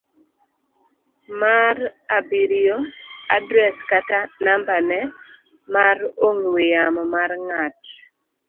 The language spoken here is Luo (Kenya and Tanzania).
mar abiriyo. Adres kata nambane mar ong'we yamo mar ng'at